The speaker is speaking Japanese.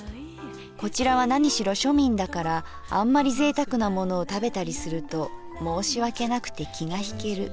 こちらは何しろ庶民だからあんまりぜいたくなものを食べたりすると申し訳なくて気がひける。